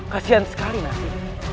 kasian sekali nasi